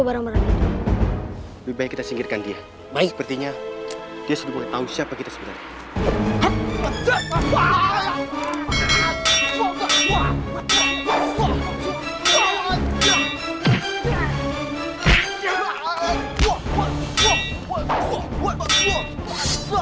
barang barangnya lebih baik kita singkirkan dia baik sepertinya dia sudah mulai tahu siapa kita sebenarnya